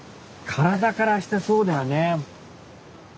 体からしてそうだよね。